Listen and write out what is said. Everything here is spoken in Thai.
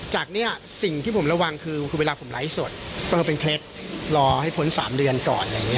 จากเนี่ยสิ่งที่ผมระวังคือคือเวลาผมไลฟ์สดต้องเป็นเพล็ดรอให้พ้น๓เดือนก่อนอย่างนี้